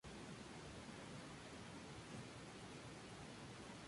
Soldado de la Frontera.